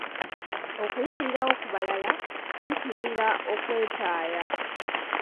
Okuyimirirawo ku balala kikugira okwetaaya.